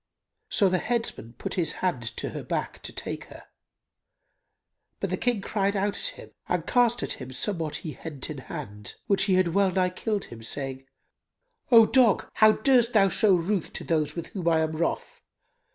So the headsmen put his hand to her back, to take her; but the King cried out at him and cast at him somewhat he hent in hand, which had well nigh killed him, saying, "O dog, how durst thou show ruth to those with whom I am wroth?